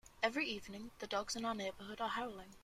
Every evening, the dogs in our neighbourhood are howling.